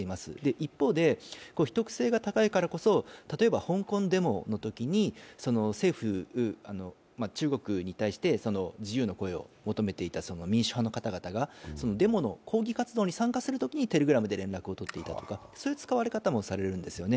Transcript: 一方で、秘匿性が高いからこそ、例えば香港デモのときに政府・中国に対して自由の声を求めていた民主派の方々が、デモの抗議活動に参加するときにＴｅｌｅｇｒａｍを連絡をとっていたとかそういう使われ方もされるんですよね。